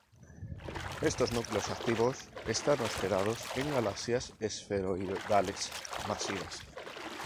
Estos núcleos activos están hospedados en galaxias esferoidales masivas.